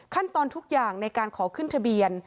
ขั้นตอนทุกอย่างในการขอขึ้นทะเบียน